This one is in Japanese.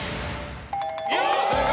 正解。